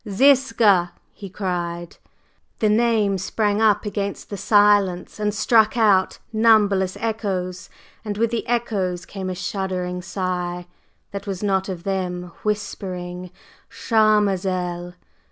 "Ziska!" he cried. The name sprang up against the silence and struck out numberless echoes, and with the echoes came a shuddering sigh, that was not of them, whispering: "Charmazel!"